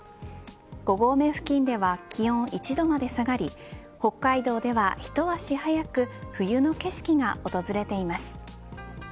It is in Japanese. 五合目付近では気温１度まで下がり北海道では一足早く冬の景色が訪れています。